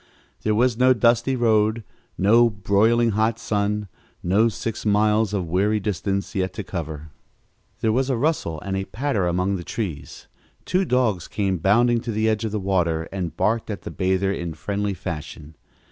There was no dusty road, no broiling hot sun, no six miles of weary distance yet to cover. There was a rustle and a patter among the trees. Two dogs came bounding to the edge of the water and barked at the bather in friendly fashion.